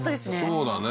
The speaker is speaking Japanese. そうだね